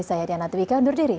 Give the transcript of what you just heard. saya diana twika undur diri